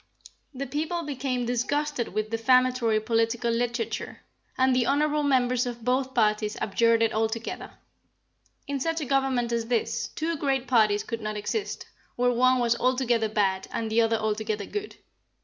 "The people became disgusted with defamatory political literature, and the honorable members of both parties abjured it altogether. In such a government as this, two great parties could not exist, where one was altogether bad and the other altogether good.